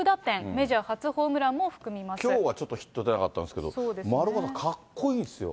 メジャー初きょうはちょっとヒット出なかったんですけど、丸岡さん、かっこいいんですよ。